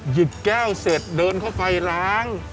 หยิบแก้วเสร็จเดินเข้าไปล้าง